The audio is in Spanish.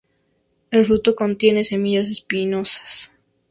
El fruto contiene semillas espinosas.